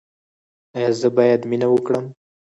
ایا زه باید مینه وکړم؟